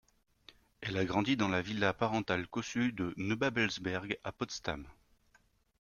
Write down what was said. Elle a grandi dans la villa parentale cossue de Neubabelsberg, à Potsdam.